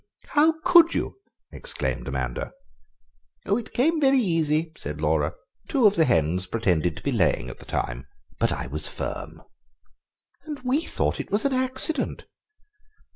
"How could you?" exclaimed Amanda. "It came quite easy," said Laura; "two of the hens pretended to be laying at the time, but I was firm." "And we thought it was an accident!"